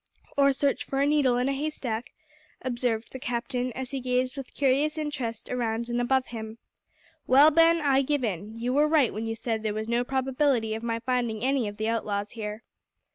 "Or search for a needle in a haystack," observed the Captain, as he gazed with curious interest around and above him. "Well, Ben, I give in. You were right when you said there was no probability of my finding any of the outlaws here."